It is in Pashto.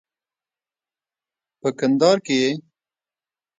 په کندهار کې یې